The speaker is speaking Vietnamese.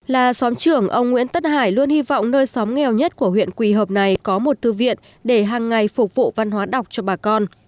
là xóm trưởng ông nguyễn tất hải luôn hy vọng nơi xóm nghèo nhất của huyện quỳ hợp này có một thư viện để hàng ngày phục vụ văn hóa đọc cho bà con